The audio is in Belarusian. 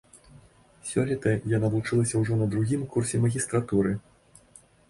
Сёлета яна вучылася ўжо на другім курсе магістратуры.